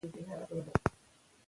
تاسي د سوداګرو امنیت وساتئ.